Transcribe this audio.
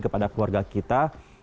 kepada keluarga kita